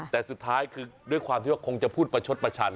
แต่สุดท้ายคือด้วยความที่ว่าคงจะพูดประชดประชัน